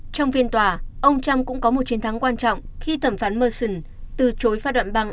trong phiên tòa ông trump cũng có một chiến thắng quan trọng khi thẩm phán murson từ chối pha đoạn băng